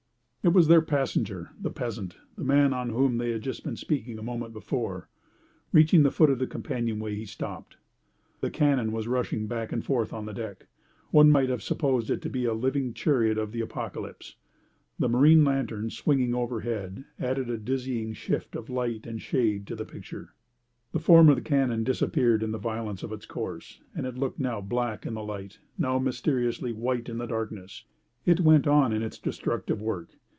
It was their passenger, the peasant, the man of whom they had just been speaking a moment before. Reaching the foot of the companion way, he stopped. The cannon was rushing back and forth on the deck. One might have supposed it to be the living chariot of the Apocalypse. The marine lantern swinging overhead added a dizzy shifting of light and shade to the picture. The form of the cannon disappeared in the violence of its course, and it looked now black in the light, now mysteriously white in the darkness. It went on in its destructive work.